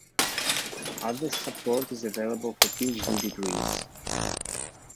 Other support is available for PhD degrees.